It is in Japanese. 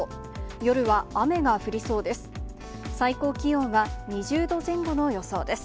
夜は雨が降りそうです。